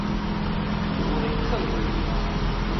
有話囥袂牢